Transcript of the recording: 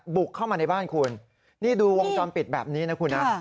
บุกเข้ามาในบ้านคุณนี่ดูวงจรปิดแบบนี้นะคุณนะ